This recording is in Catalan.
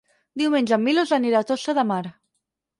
Diumenge en Milos anirà a Tossa de Mar.